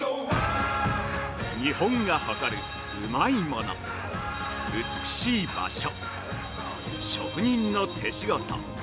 ◆日本が誇るうまいもの美しい場所、職人の手仕事。